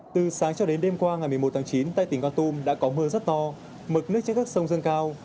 từ sáng cho đến đêm qua ngày một mươi một tháng chín tại tỉnh con tum đã có mưa rất to mực nước trên các sông dâng cao